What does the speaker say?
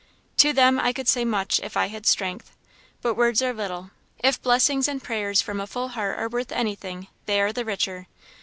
"To them I could say much, if I had strength. But words are little. If blessings and prayers from a full heart are worth anything, they are the richer.